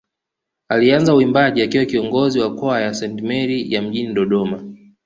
Alianza uimbaji akiwa kiongozi wa kwaya ya Saint Mary ya mjini Dodoma